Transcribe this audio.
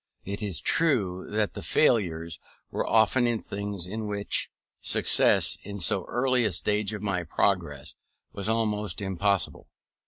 It is true the failures were often in things in which success, in so early a stage of my progress, was almost impossible.